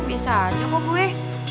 biasa aja gue